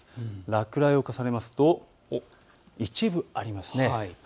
落雷を重ねますと一部あります。